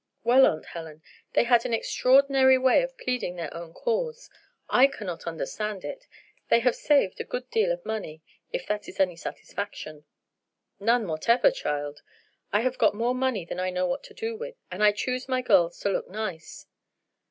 "Well, Aunt Helen, they had an extraordinary way of pleading their own cause. I cannot understand it. They have saved a good deal of money, if that is any satisfaction." "None whatever, child. I have got more money than I know what to do with, and I choose my girls to look nice.